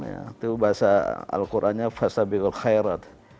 itu bahasa al qurannya